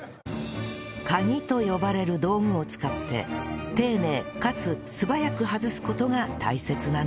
カギと呼ばれる道具を使って丁寧かつ素早く外す事が大切なんです